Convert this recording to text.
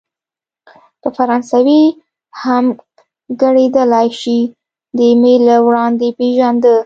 په فرانسوي هم ګړیدلای شي، دی مې له وړاندې پېژانده.